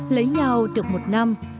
lấy nhau được một năm